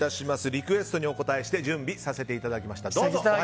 リクエストにお応えして準備させていただきました。